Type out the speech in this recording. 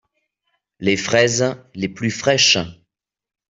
Les fraises les plus fraîches.